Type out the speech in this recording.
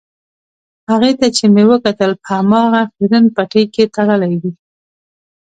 هغې ته چې مې وکتل په هماغه خیرن پټۍ کې تړلې وې.